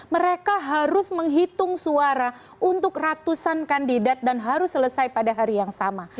mereka harus menghitung suara untuk ratusan kandidat dan harus selesai pada hari yang sama